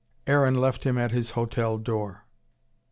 Aaron left him at his hotel door.